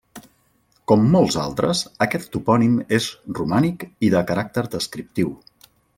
Com molts altres, aquest topònim és romànic i de caràcter descriptiu.